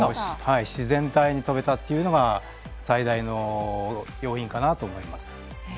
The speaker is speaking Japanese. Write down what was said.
自然体に飛べたというのが最大の要因かなと思います。